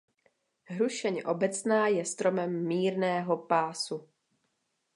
Hrušeň obecná je stromem mírného pásu.